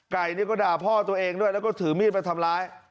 ไก่นี่ก็ด่าพ่อตัวเองด้วยแล้วก็ถือมีดมาทำร้าย